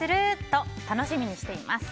と楽しみにしています。